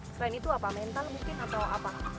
selain itu apa mental mungkin atau apa